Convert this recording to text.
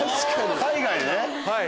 海外でね！